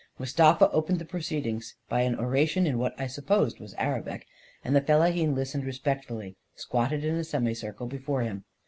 Mustafa opened the proceedings by an oration in what I suppose was Arabic, and the fellahin listened respectfully, squatted in a semi circle before him.